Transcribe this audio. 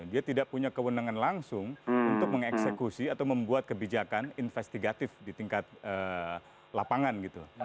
dia tidak punya kewenangan langsung untuk mengeksekusi atau membuat kebijakan investigatif di tingkat lapangan gitu